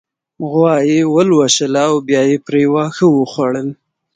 غوا يې ولوشله او بيا يې پرې واښه وخوړل